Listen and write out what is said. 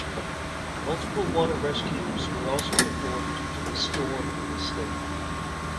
Multiple water rescues were also performed due to the storm in the state.